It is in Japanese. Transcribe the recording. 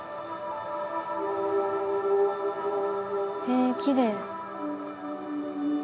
へえ、きれい。